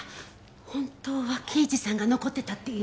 本当は刑事さんが残ってたっていう？